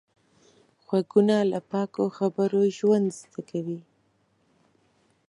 غوږونه له پاکو خبرو ژوند زده کوي